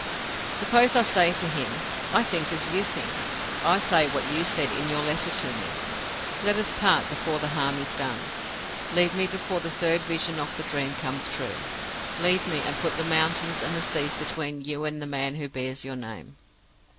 "Suppose I say to him, 'I think as you think. I say what you said in your letter to me, Let us part before the harm is done. Leave me before the Third Vision of the Dream comes true. Leave me, and put the mountains and the seas between you and the man who bears your name!